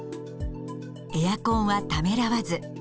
エアコンはためらわず。